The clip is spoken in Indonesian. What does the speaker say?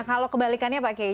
kalau kebalikannya pak kiai